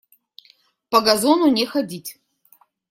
По газону не ходить!